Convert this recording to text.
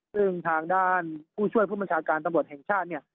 ซึ่งทางด้านผู้ช่วยผู้บัญชาการตำรวจแห่งชาติเนี่ย